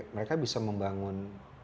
mereka bisa membangun